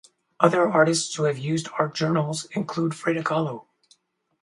Other artists to have used art journals include Frida Kahlo.